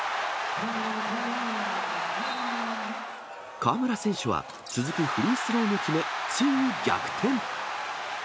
河村選手は続くフリースローも決め、ついに逆転。